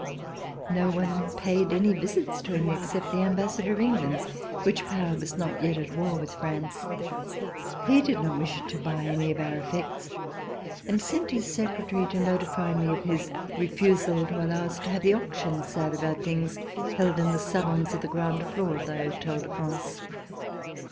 No one paid any visits to him, except the Ambassador of England, which power was not yet at war with France. He did not wish to buy any of our effects, and sent his secretary to notify me of his refusal to allow us to have the auction sale of our things held C 129] RECOLLECTIONS OF THE REVOLUTION in the salons of the ground floor of the Hotel de France.